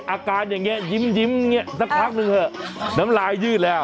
อาการอย่างนี้ยิ้มอย่างนี้สักพักหนึ่งเถอะน้ำลายยืดแล้ว